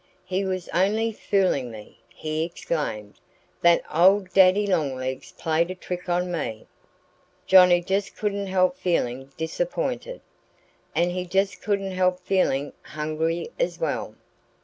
"He was only fooling me!" he exclaimed. "That old Daddy Longlegs played a trick on me!" Johnnie just couldn't help feeling disappointed. And he just couldn't help feeling hungry as well.